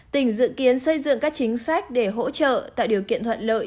tỉnh dự kiến xây dựng các chính sách để hỗ trợ tạo điều kiện thuận lợi